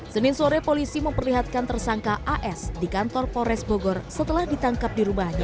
senin sore polisi memperlihatkan tersangka as di kantor pores bogor setelah ditangkap di rumahnya